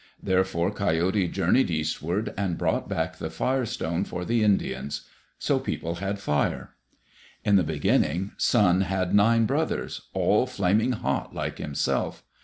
Therefore Coyote journeyed eastward, and brought back the Fire Stone for the Indians. So people had fire. In the beginning, Sun had nine brothers, all flaming hot like himself.